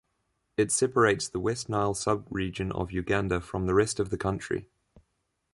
It separates the West Nile sub-region of Uganda from the rest of the country.